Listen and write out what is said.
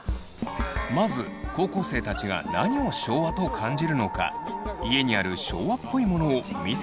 まず高校生たちが何を昭和と感じるのか家にある“昭和っぽいもの”を見せてもらうことに。